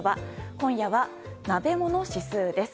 今夜は、鍋もの指数です。